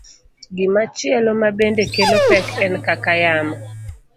Gimachielo mabende kelo pek en kaka yamo